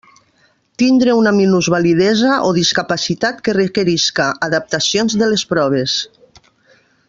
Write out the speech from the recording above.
Tindre una minusvalidesa o discapacitat que requerisca adaptacions de les proves.